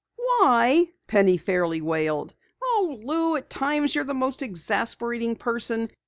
"Why?" Penny fairly wailed. "Oh, Lou, at times you're the most exasperating person.